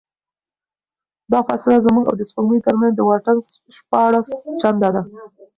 دا فاصله زموږ او د سپوږمۍ ترمنځ د واټن شپاړس چنده ده.